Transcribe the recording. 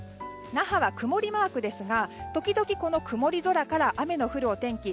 那覇は曇りマークですが時々、曇り空から雨の降るお天気。